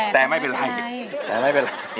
แต่ไม่เป็นไร